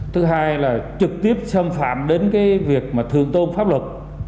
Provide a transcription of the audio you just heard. thứ hai là trực tiếp xâm phạm đến việc thường tôn pháp luật